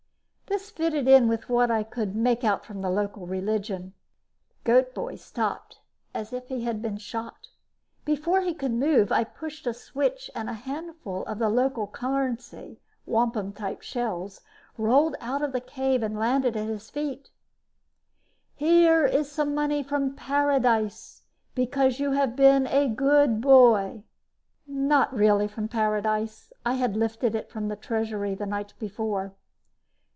This fitted in with what I could make out of the local religion. Goat boy stopped as if he'd been shot. Before he could move, I pushed a switch and a handful of the local currency, wampum type shells, rolled out of the cave and landed at his feet. "Here is some money from paradise, because you have been a good boy." Not really from paradise I had lifted it from the treasury the night before.